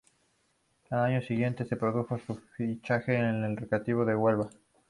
Al año siguiente se produjo su fichaje por el Recreativo de Huelva.